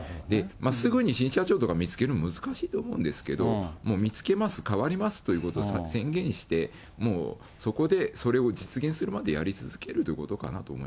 すぐに新社長とか見つけるの、難しいと思うんですけど、もう見つけます、変わりますということを宣言して、もうそこでそれを実現するまでやり続けるということかなと思い